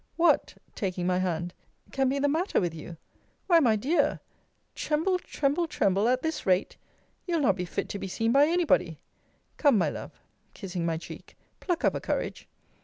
What, taking my hand, can be the matter with you? Why, my dear, tremble, tremble, tremble, at this rate? You'll not be fit to be seen by any body. Come, my love, kissing my cheek, pluck up a courage.